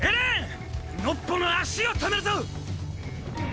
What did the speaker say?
ノッポの足を止めるぞ！！